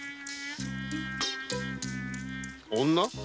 女？